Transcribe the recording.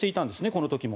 この時も。